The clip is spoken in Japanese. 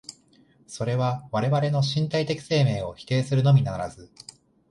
それは我々の身体的生命を否定するのみならず、